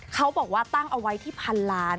เขาบอกว่าตั้งเอาไว้ที่พันล้าน